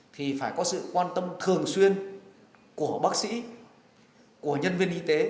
thì phải có sự quan tâm thường xuyên của bác sĩ của nhân viên y tế